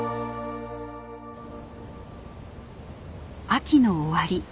秋の終わり。